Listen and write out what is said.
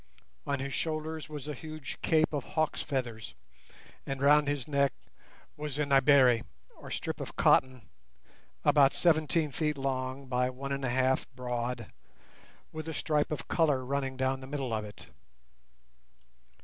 On his shoulders was a huge cape of hawk's feathers, and round his neck was a "naibere", or strip of cotton, about seventeen feet long, by one and a half broad, with a stripe of colour running down the middle of it.